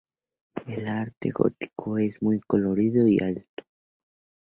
El arte gótico es muy colorido y alto.